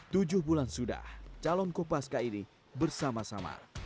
tujuh bulan sudah calon kopaska ini bersama sama